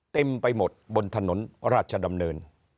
เต็มไปหมดบนถนนราชดำเนิน